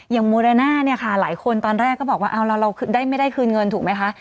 โมเดน่าเนี่ยค่ะหลายคนตอนแรกก็บอกว่าเอาแล้วเราไม่ได้คืนเงินถูกไหมคะ